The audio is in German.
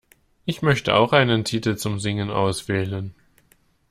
Ich möchte auch einen Titel zum Singen auswählen.